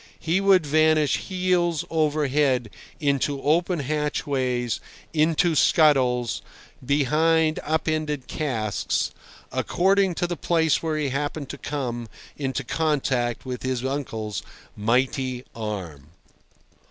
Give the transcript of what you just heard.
He would vanish heels overhead into open hatchways, into scuttles, behind up ended casks, according to the place where he happened to come into contact with his uncle's mighty arm.